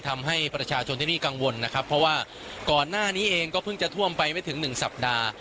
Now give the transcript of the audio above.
ทำให้ประชาชนที่นี่กังวลนะครับเพราะว่าก่อนหน้านี้เองก็เพิ่งจะท่วมไปไม่ถึงหนึ่งสัปดาห์